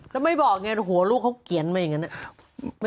แล้วไม่บอกไงหัวลูกเขาเขียนมาอย่างนั้น